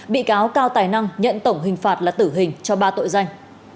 bị cáo cao tài năng nhận tổng hình phạt là tử hình cho ba tội danh